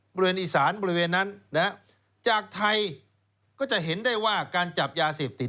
บริเวณอีสานบริเวณนั้นนะฮะจากไทยก็จะเห็นได้ว่าการจับยาเสพติด